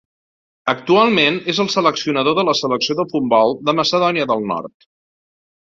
Actualment, és el seleccionador de la selecció de futbol de Macedònia del Nord.